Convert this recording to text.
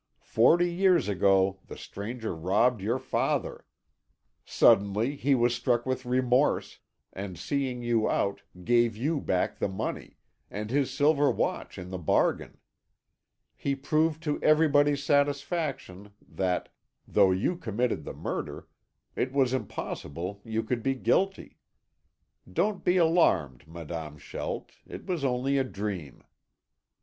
Forty years ago the stranger robbed your father; suddenly he was struck with remorse, and seeking you out, gave you back the money, and his silver watch in the bargain. He proved to everybody's satisfaction that, though you committed the murder, it was impossible you could be guilty. Don't be alarmed, Madame Schelt, it was only a dream."